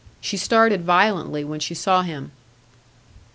She started violently when she saw him.